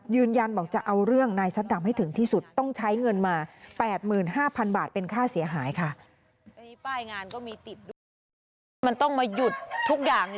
ยืนยันบอกจะเอาเรื่องนายซัดดำให้ถึงที่สุดต้องใช้เงินมา๘๕๐๐๐บาทเป็นค่าเสียหายค่ะ